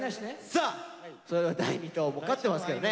さあそれでは第２投もう勝ってますけどね。